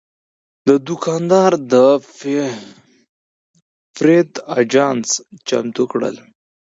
دا دوکاندار د پیرود اجناس چمتو کړل.